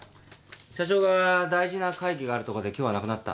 社長が大事な会議があるとかで今日はなくなった。